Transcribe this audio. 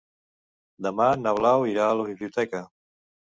Demà na Blau irà a la biblioteca.